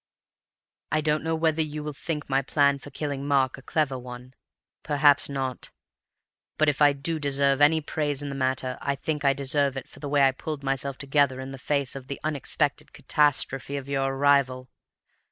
"I don't know whether you will think my plan for killing Mark a clever one. Perhaps not. But if I do deserve any praise in the matter, I think I deserve it for the way I pulled myself together in the face of the unexpected catastrophe of your arrival.